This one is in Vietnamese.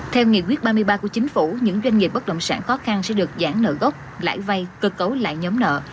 theo nghị quyết ba mươi ba của chính phủ những doanh nghiệp bất động sản khó khăn sẽ được giãn nợ gốc lãi vay cơ cấu lại nhóm nợ